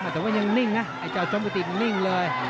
แต่ว่ายังนิ่งนะไอ้เจ้าชมกระติกนิ่งเลย